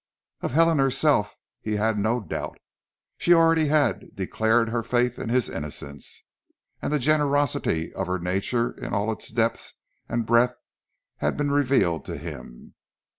Of Helen herself he had no doubt. She already had declared her faith in his innocence, and the generosity of her nature in all its depth and breadth had been revealed to him.